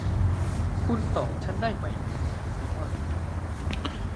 คุณตอบฉันได้ไหม ซิมม่อน